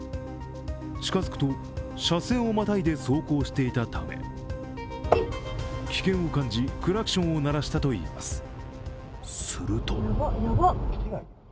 近づくと車線をまたいで走行していたため危険を感じ、クラクションを鳴らしたといいます。